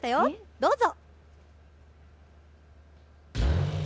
どうぞ。